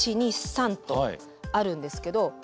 １２３とあるんですけど。